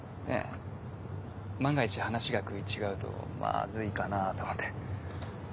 万が一話が食い違うとマズいかなと思って。